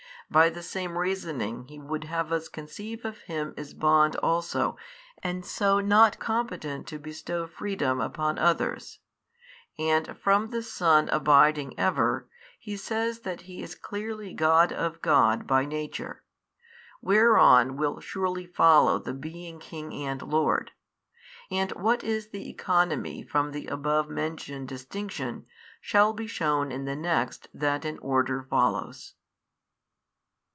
By the same reasoning He would have us conceive of him as bond also and so not competent to bestow freedom upon others, and from the Son abiding ever, He says that He is clearly God of God by Nature, whereon will surely follow the being King and Lord. And what is the economy from the above mentioned distinction, shall be shewn in the next that in order follows.